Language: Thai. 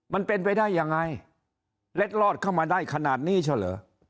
มันเป็นไปได้ยังไงเล็ดลอดเข้ามาได้ขนาดนี้เช่าเหรอ